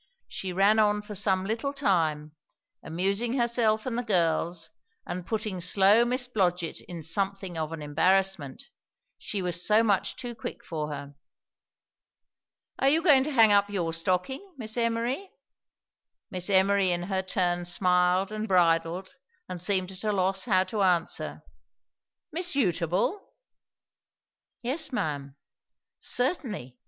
She ran on for some little time, amusing herself and the girls, and putting slow Miss Blodgett in something of an embarrassment, she was so much too quick for her. "Are you going to hang up your stocking, Miss Emory?" Miss Emory in her turn smiled and bridled, and seemed at a loss how to answer. "Miss Eutable?" "Yes, ma'am." "Certainly.